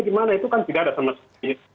gimana itu kan tidak ada sama sekali